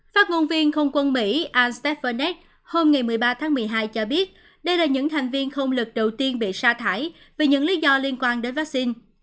phát ngôn viên không quân mỹ al stephenet hôm một mươi ba tháng một mươi hai cho biết đây là những thành viên không lực đầu tiên bị sa thải vì những lý do liên quan đến vaccine